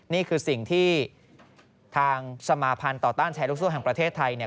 นี่คือสิ่งที่ทางสมาภัณฑ์ต่อต้านแชร์ลูกโซ่แห่งประเทศไทยเนี่ย